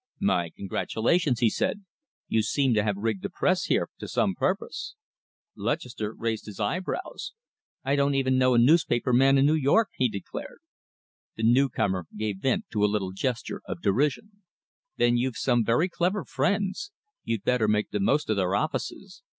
"My congratulations," he said. "You seem to have rigged the Press here to some purpose." Lutchester raised his eyebrows. "I don't even know a newspaper man in New York," he declared. The newcomer gave vent to a little gesture of derision. "Then you've some very clever friends! You'd better make the most of their offices.